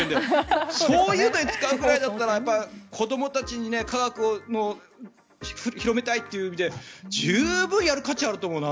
そういうのに使うくらいなら子どもたちに科学を広げたいという意味で十分やる価値があると思うな。